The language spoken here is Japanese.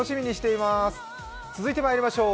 続いてまいりましょう。